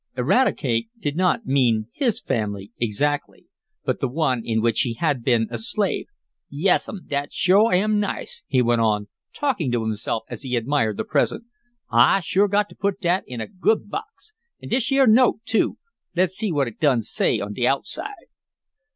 Eradicate did not mean his family, exactly, but the one in which he had been a slave. "Yassum, dat shore am nice!" he went on, talking to himself as he admired the present. "I shore got t' put dat in a good box! An' dish year note, too. Let's see what it done say on de outside."